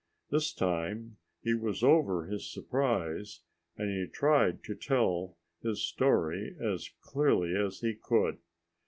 This time he was over his surprise and he tried to tell his story as clearly as he could.